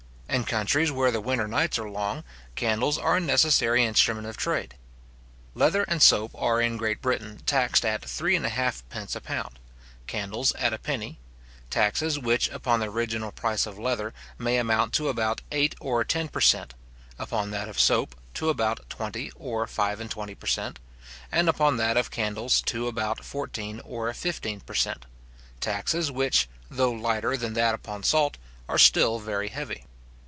In countries where the winter nights are long, candles are a necessary instrument of trade. Leather and soap are in Great Britain taxed at three halfpence a pound; candles at a penny; taxes which, upon the original price of leather, may amount to about eight or ten per cent.; upon that of soap, to about twenty or five and twenty per cent.; and upon that of candles to about fourteen or fifteen per cent.; taxes which, though lighter than that upon salt, are still very heavy.